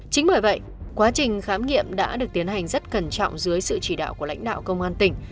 chính bởi vậy quá trình khám nghiệm đã được tiến hành rất cẩn trọng dưới sự chỉ đạo của lãnh đạo công an tỉnh